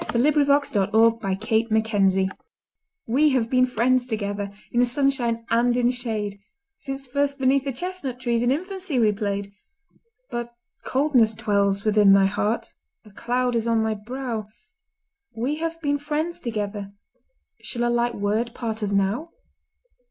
Caroline Norton We Have Been Friends Together WE have been friends together In sunshine and in shade, Since first beneath the chestnut trees, In infancy we played. But coldness dwells within thy heart, A cloud is on thy brow; We have been friends together, Shall a light word part us now?